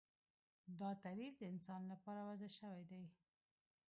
دا تعریف د انسان لپاره وضع شوی دی